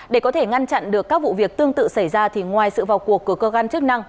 để có thể ngăn chặn được các vụ việc tương tự xảy ra thì ngoài sự vào cuộc của cơ quan chức năng